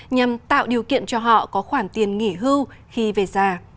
nhằm tạo điều kiện cho họ có khoản tiền nghỉ hưu khi về già